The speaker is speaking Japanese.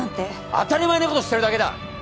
当たり前のことしてるだけだ！